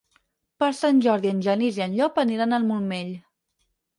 Per Sant Jordi en Genís i en Llop aniran al Montmell.